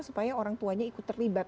supaya orang tuanya ikut terlibat